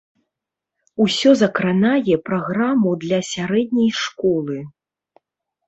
Усё закранае праграму для сярэдняй школы.